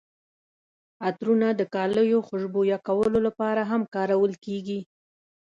عطرونه د کالیو خوشبویه کولو لپاره هم کارول کیږي.